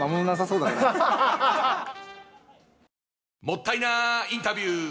もったいなインタビュー！